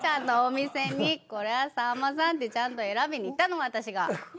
これはさんまさんってちゃんと選びに行ったの私が。